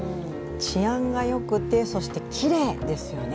治安がよくて、そしてきれいですよね。